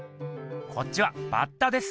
こっちはバッタです。